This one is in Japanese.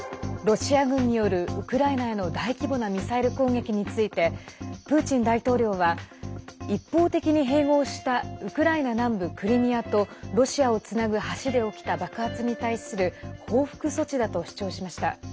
ロシア軍によるウクライナへの大規模なミサイル攻撃についてプーチン大統領は一方的に併合したウクライナ南部クリミアとロシアをつなぐ橋で起きた爆発に対する報復措置だと主張しました。